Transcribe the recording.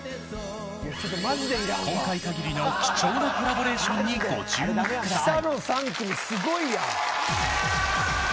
今回限りの貴重なコラボレーションにご注目ください。